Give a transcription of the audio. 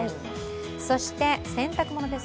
そして洗濯物です。